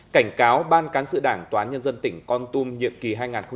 cảnh cáo ban cán sự đảng tòa nhân dân tỉnh con tum nhiệm kỳ hai nghìn hai mươi hai nghìn hai mươi năm